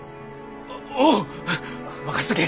おう任しとけ。